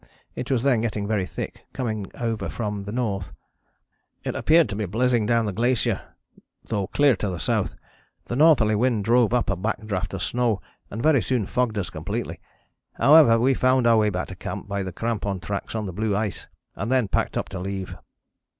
It was then getting very thick, coming over from the north." "It appeared to be blizzing down the glacier, though clear to the south. The northerly wind drove up a back draught of snow, and very soon fogged us completely. However we found our way back to camp by the crampon tracks on the blue ice and then packed up to leave."